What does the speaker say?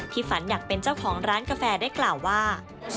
ฝันอยากเป็นเจ้าของร้านกาแฟได้กล่าวว่า